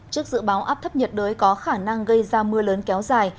trước dự báo áp thấp nhiệt đới có khả năng gây ra mưa lớn kéo dài